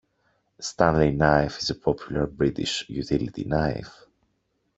A Stanley knife is a popular British utility knife